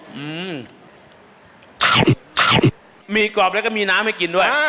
อืมมีกรอบแล้วก็มีน้ำให้กินด้วย